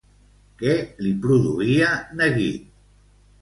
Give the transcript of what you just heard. Què li produïa neguit?